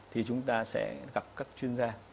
thì chúng ta sẽ gặp các chuyên gia